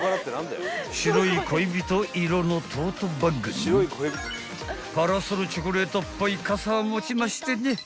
［白い恋人色のトートバッグにパラソルチョコレートっぽい傘を持ちましてね